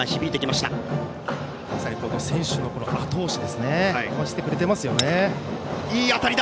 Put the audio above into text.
まさに選手のあと押しをしてくれていますよね。